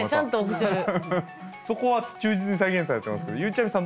そこは忠実に再現されてますけどゆうちゃみさん